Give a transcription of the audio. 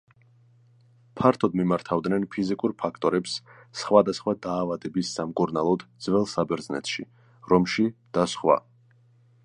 ფართოდ მიმართავდნენ ფიზიკურ ფაქტორებს სხვადასხვა დაავადების სამკურნალოდ ძველ საბერძნეთში, რომში და სხვა.